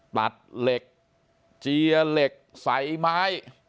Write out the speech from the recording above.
ตัดเหล็กเจียเหล็กใส่ไม้